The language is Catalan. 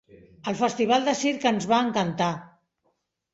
El festival de circ ens va encantar.